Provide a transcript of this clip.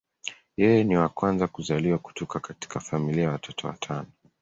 Yeye ni wa kwanza kuzaliwa kutoka katika familia ya watoto watano.